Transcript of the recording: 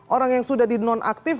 orang yang sudah di non aktif